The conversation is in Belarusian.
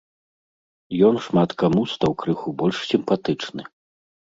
Ён шмат каму стаў крыху больш сімпатычны.